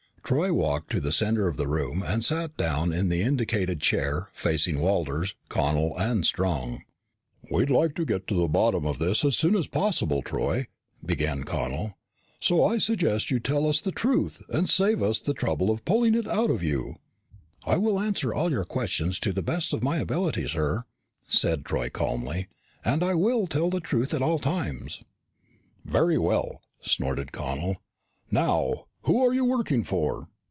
Troy walked to the center of the room and sat down in the indicated chair, facing Walters, Connel, and Strong. "We'd like to get to the bottom of this as soon as possible, Troy," began Connel. "So I suggest that you tell us the truth and save us the trouble of pulling it out of you. "I will answer all of your questions to the best of my ability, sir," said Troy calmly. "And I will tell the truth at all times." "Very well," snorted Connel. "Now, who are you working for?"